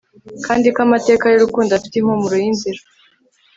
Kandi ko amateka yurukundo afite impumuro yinzira